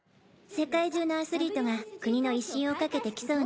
世界中のアスリートが国の威信を懸けて競うのよ。